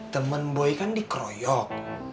temen boy kan dikroyok